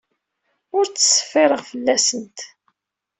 Ur ttṣeffireɣ fell-asent.